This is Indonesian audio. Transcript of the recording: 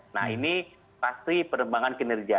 nah ini pasti perkembangan kinerja